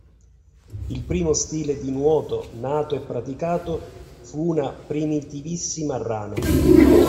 Il primo stile di nuoto “nato” e praticato fu una primitivissima rana.